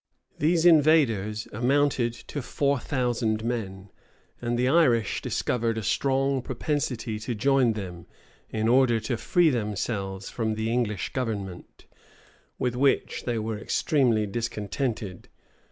These invaders amounted to four thousand men, and the Irish discovered a strong propensity to join them, in order to free themselves from the English government, with which they were extremely discontented.